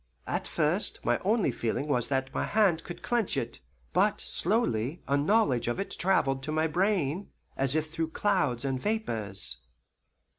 At first my only feeling was that my hand could clench it, but slowly a knowledge of it travelled to my brain, as if through clouds and vapours.